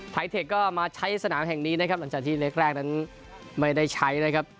เทคก็มาใช้สนามแห่งนี้นะครับหลังจากที่เล็กแรกนั้นไม่ได้ใช้นะครับ